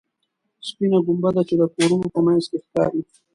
سپینه ګنبده چې د کورونو په منځ کې ښکاري.